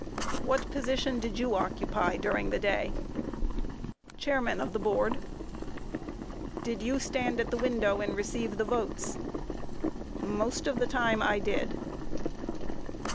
Q. What position did you occupy during the day? A. Chairman of the Board. Q. Did you stand at the window and receive the votes? A. Most of the time I did.